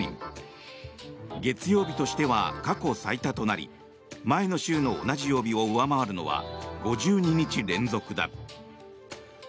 月曜日としては過去最多となり前の週の同じ曜日を上回るのは５２日連続だ。